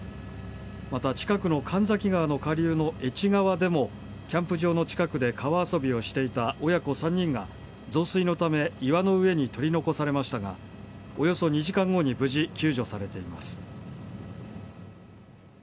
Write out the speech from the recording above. また近くの神崎川の下流の愛知川でもキャンプ場の近くで川遊びをしていた親子３人が増水のため岩の上に取り残されましたがおよそ２時間後に無事救助されています。